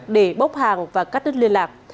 để bốc hàng và cắt đứt liên lạc